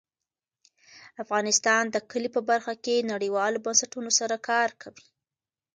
افغانستان د کلي په برخه کې نړیوالو بنسټونو سره کار کوي.